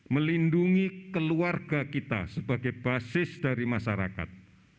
melindungi keluarga kita sebagai basis dari masyarakat